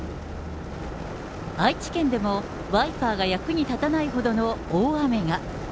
愛知県でもワイパーが役に立たないほどの大雨が。